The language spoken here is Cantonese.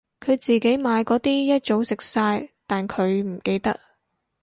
佢自己買嗰啲一早食晒但佢唔記得